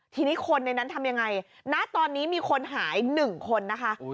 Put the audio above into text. ทีนี้คนในนั้นทำยังไงณตอนนี้มีคนหาย๑คนนะคะ